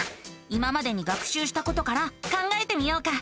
今までに学しゅうしたことから考えてみようか。